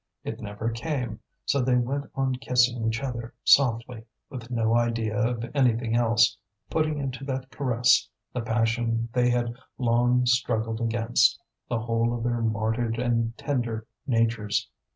It never came, so they went on kissing each other softly, with no idea of anything else, putting into that caress the passion they had long struggled against the whole of their martyred and tender natures.